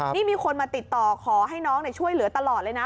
นี่มีคนมาติดต่อขอให้น้องช่วยเหลือตลอดเลยนะ